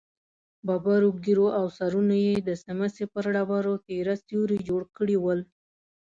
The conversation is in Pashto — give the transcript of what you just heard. ببرو ږېرو او سرونو يې د سمڅې پر ډبرو تېره سيوري جوړ کړي ول.